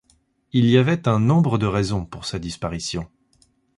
Il y avait un nombre de raisons pour sa disparition.